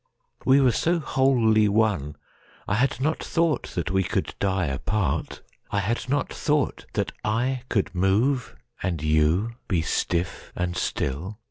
We were so wholly one I had not thoughtThat we could die apart. I had not thoughtThat I could move,—and you be stiff and still!